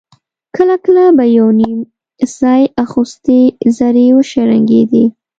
کله کله به يو _نيم ځای اغوستې زرې وشرنګېدې.